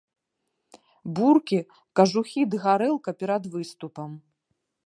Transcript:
Буркі, кажухі ды гарэлка перад выступам.